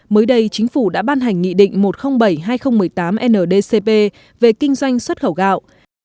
mới đây chính phủ đã ban hành nghị định một trăm linh bảy hai nghìn một mươi tám ndcp về kinh doanh xuất khẩu gạo